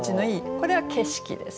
これは景色です。